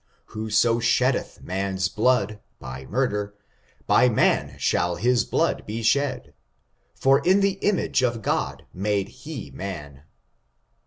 Whoso sheddeth man's blood (by murder), by man shall his blood be shed: for in the image of God made he man!"